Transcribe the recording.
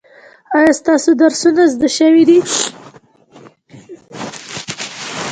ایا ستاسو درسونه زده شوي دي؟